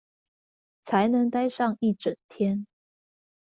才能待上一整天